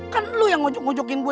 kan lu yang ngujuk ngujukin gua